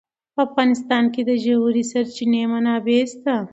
په افغانستان کې د ژورې سرچینې منابع شته.